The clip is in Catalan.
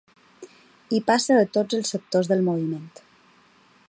I passa a tots els sectors del moviment.